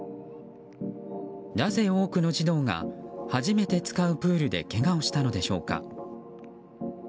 なぜ、多くの児童が初めて使うプールでけがをしたのでしょうか？